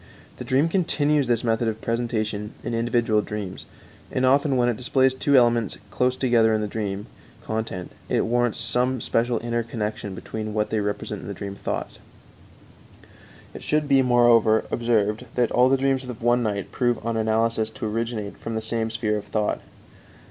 The dream continues this method of presentation in individual dreams, and often when it displays two elements close together in the dream content it warrants some special inner connection between what they represent in the dream thoughts. It should be, moreover, observed that all the dreams of one night prove on analysis to originate from the same sphere of thought.